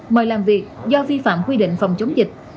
mời làm việc do vi phạm quy định phòng chống dịch